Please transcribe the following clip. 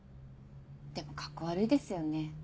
でもカッコ悪いですよね。